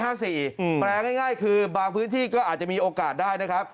แปลงง่ายคือบางพื้นที่ก็อาจจะมีโอกาสได้นะครับ